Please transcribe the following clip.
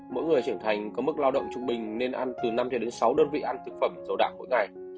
mỗi người trưởng thành có mức lao động trung bình nên ăn từ năm cho đến sáu đơn vị ăn thực phẩm dầu đạc mỗi ngày